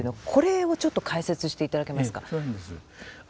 これをちょっと解説していただけますか？